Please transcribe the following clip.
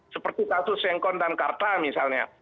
seperti kasus sengkon dan karta misalnya